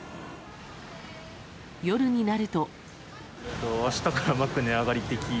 夜になると。